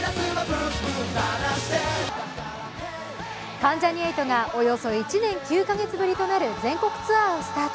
関ジャニ∞がおよそ１年９カ月ぶりとなる全国ツアーをスタート。